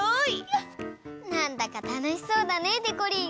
なんだかたのしそうだねでこりん。